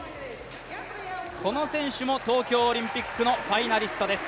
この選手も東京オリンピックのファイナリストです。